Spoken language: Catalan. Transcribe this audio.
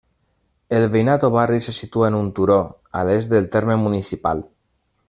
El veïnat o barri se situa en un turó, a l'est del terme municipal.